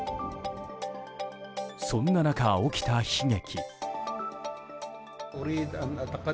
そんな中、起きた悲劇。